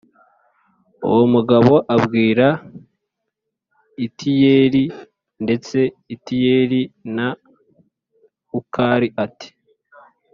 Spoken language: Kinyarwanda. uwo mugabo abwira itiyeli ndetse itiyeli na ukali ati